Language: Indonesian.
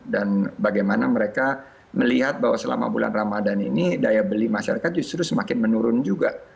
dan bagaimana mereka melihat bahwa selama bulan ramadhan ini daya beli masyarakat justru semakin menurun juga